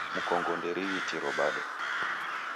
Mkongo nderighitiro bado.